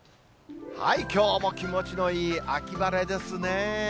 きょうも気持ちのいい秋晴れですねぇ。